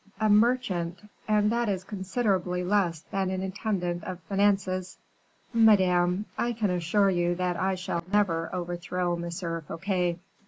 A merchant! and that is considerably less than an intendant of finances." "Madame, I can assure you that I shall never overthrow M. Fouquet."